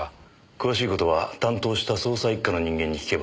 詳しい事は担当した捜査一課の人間に聞けばわかるかと。